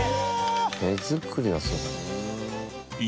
手作りはすごい。